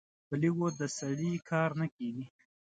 په لږو د سړي کار نه کېږي.